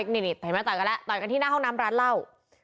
นี่เห็นไหมต่อยกันแล้วต่อยกันที่หน้าห้องน้ำร้านเหล้า